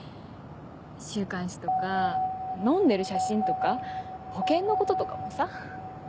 週刊誌とか飲んでる写真とか保険のこととかもさ。